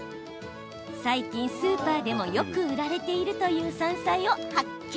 最近スーパーでもよく売られているという山菜を発見。